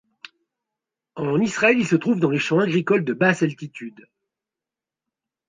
En Israël, il se trouve dans les champs agricoles de basse altitude.